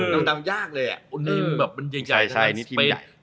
ตั้งตามยากเลยว่ามินถึงเย็นสเปน